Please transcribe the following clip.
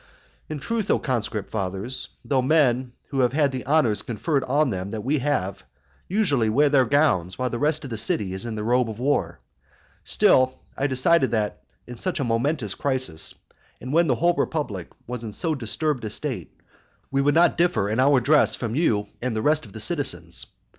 In truth, O conscript fathers, though men who have had the honours conferred on them that we have, usually wear their gowns, while the rest of the city is in the robe of war, still I decided that at such a momentous crisis, and when the whole republic was in so disturbed a state, we would not differ in our dress from you and the rest of the citizens.